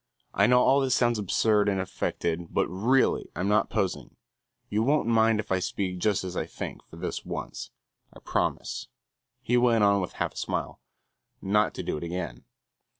I know all this sounds absurd and affected, but really I'm not posing; you won't mind if I speak just as I think, for this once. I promise," he went on with a half smile, "not to do it again.